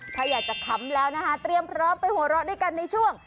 ถ้าอยากจะขำแล้วนะคะเตรียมพร้อมไปหัวเราะด้วยกันในช่วง